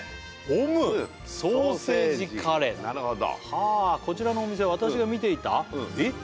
オム＋ソーセージカレーなんだなるほどはあこちらのお店私が見ていたえっ？